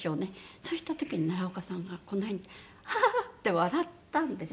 そうした時に奈良岡さんがこの辺で「ハハハ！」って笑ったんですよ。